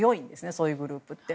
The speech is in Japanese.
そういうグループって。